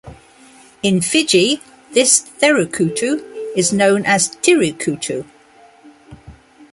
In Fiji - this Therukootu is known as Tirikutu.